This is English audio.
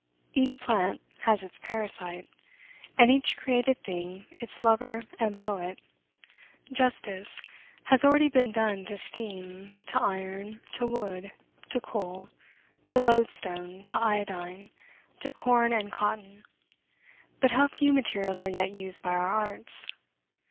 Each plant has its parasite, and each created thing its lover and poet. Justice has already been done to steam, to iron, to wood, to coal, to loadstone, to iodine, to corn, and cotton; but how few materials are yet used by our arts!